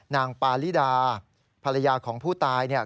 นางปาลิดาภรรยาของผู้ตายเนี่ย